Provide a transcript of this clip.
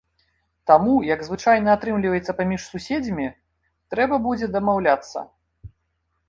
Таму, як звычайна атрымліваецца паміж суседзямі, трэба будзе дамаўляцца.